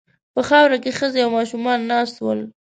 په خاورو کې ښځې او ماشومان ناست ول.